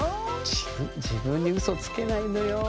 自分自分にウソつけないのよ。